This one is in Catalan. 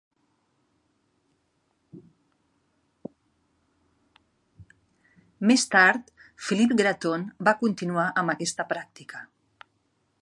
Més tard, Philippe Graton va continuar amb aquesta pràctica.